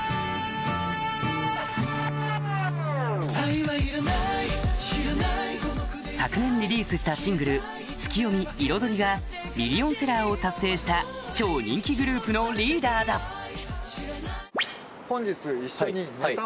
愛は要らない知らない昨年リリースしたシングル『ツキヨミ／彩り』がミリオンセラーを達成した超人気グループのリーダーだおぉ。